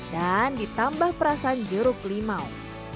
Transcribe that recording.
dan ditambah perasan jeruk limau